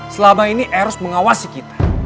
selama ini erus mengawasi kita